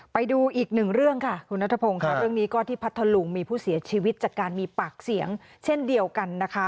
ไปดูอีกหนึ่งเรื่องค่ะคุณนัทพงศ์ค่ะเรื่องนี้ก็ที่พัทธลุงมีผู้เสียชีวิตจากการมีปากเสียงเช่นเดียวกันนะคะ